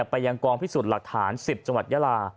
ไปยังกองพิสูจน์หลักฐาน๑๐จังหวัดยาลา